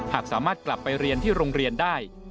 หากสามารถกลับไปเรียนที่โรงเรียนได้